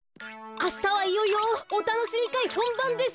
あしたはいよいよおたのしみかいほんばんです。